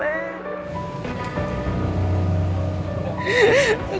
aku takut bang